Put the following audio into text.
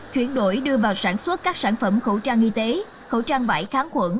chuyển đổi đưa vào sản xuất các sản phẩm khẩu trang y tế khẩu trang vải kháng khuẩn